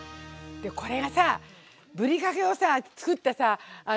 これがさぶりかけをさ作ったさ